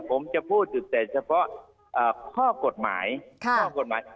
ผมจะพูดอยู่แต่เฉพาะข้อกฎหมายข้อกฎหมาย